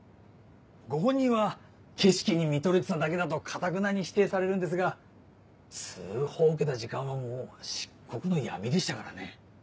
ご本人は景色に見とれてただけだとかたくなに否定されるんですが通報を受けた時間はもう漆黒の闇でしたからね。